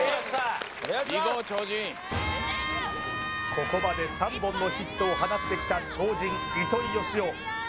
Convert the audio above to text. ここまで３本のヒットを放ってきた超人糸井嘉男